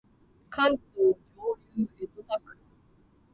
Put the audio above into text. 関東上流江戸桜